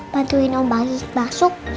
bantuin omba lagi masuk